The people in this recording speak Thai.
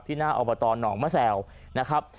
หน้าอบตหนองมะแซวนะครับ